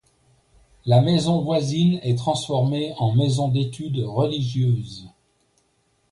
La maison voisine est transformée en maison d'études religieuses.